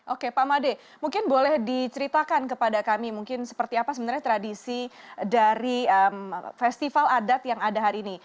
oke pak made mungkin boleh diceritakan kepada kami mungkin seperti apa sebenarnya tradisi dari festival adat yang ada hari ini